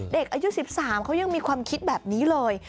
เด็กอายุ๑๓เขายังมีความคิดแบบนี้เลย